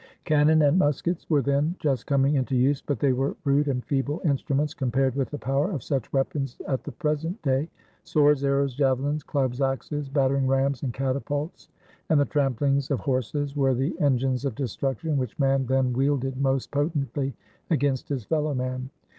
Cannon and mus kets were then just coming into use, but they were rude and feeble instruments compared with the power of such weapons at the present day. Swords, arrows, javelins, clubs, axes, battering rams, and catapults, and the tramplings of horses were the engines of destruction which man then wielded most potently against his fellow man.